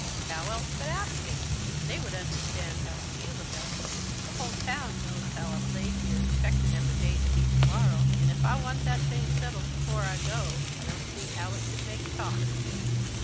"How else but ask 'em? They would understand how I feel about you. The hull town knows how I've laid here expectin' every day to be to morrow, and if I want that thing settled before I go, I don't see how it could make talk."